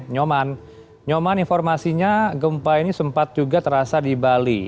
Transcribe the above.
nyoman nyoman informasinya gempa ini sempat juga terasa di bali